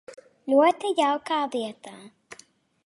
Ļoti jaukā vietā.